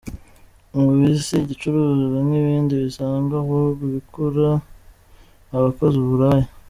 Umubiri si igicuruzwa nk’ibindi bisanzwe, ahubwo ubikora aba akoze uburaya.